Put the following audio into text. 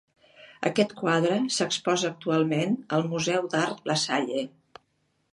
Aquest quadre s'exposa actualment al Museu d'Art La Salle.